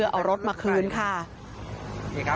กลับค่ะผมดูทะเบียดห